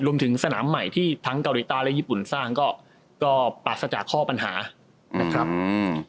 รวมถึงสนามใหม่ที่ทั้งเกาหลีใต้และญี่ปุ่นสร้างก็ก็ปราศจากข้อปัญหานะครับอืม